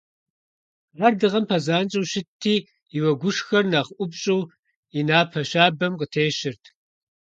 Ар дыгъэм пэзанщӀэу щытти, и уэгушхэр нэхъ ӀупщӀу и напэ щабэм къытещырт.